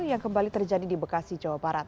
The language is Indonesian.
yang kembali terjadi di bekasi jawa barat